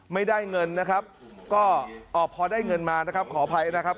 ไม่ได้เงินนะครับก็พอได้เงินมานะครับขออภัยนะครับ